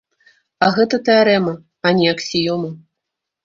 А гэта тэарэма, а не аксіёма.